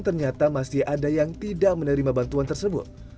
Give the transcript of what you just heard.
ternyata masih ada yang tidak menerima bantuan tersebut